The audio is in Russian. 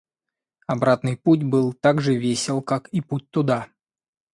Обратный путь был так же весел, как и путь туда.